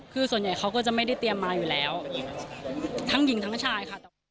คือส่วนใหญ่เขาก็จะไม่ได้เตรียมมาอยู่แล้วทั้งหญิงทั้งชายค่ะ